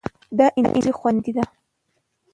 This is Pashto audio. دا انرژي خوندي ده.